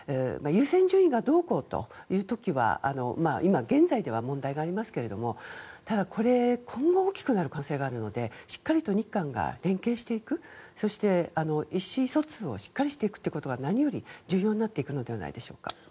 優先順位がどうこうという時は今現在では問題がありますがただ、今後大きくなる可能性があるのでしっかりと日韓が連携していくそして、意思疎通をしっかりしていくことが何より重要になっていくのではないでしょうか。